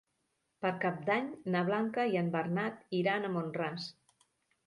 Per Cap d'Any na Blanca i en Bernat iran a Mont-ras.